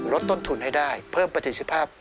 ลดต้นทุนให้ได้เพิ่มประสิทธิภาพ